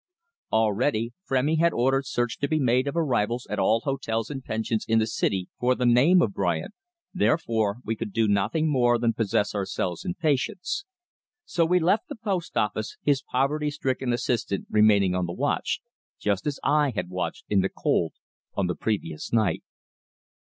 Already Frémy had ordered search to be made of arrivals at all hotels and pensions in the city for the name of Bryant, therefore, we could do nothing more than possess ourselves in patience. So we left the post office, his poverty stricken assistant remaining on the watch, just as I had watched in the cold on the previous night.